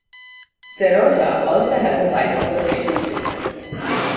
Serotta also has a bicycle-fitting system.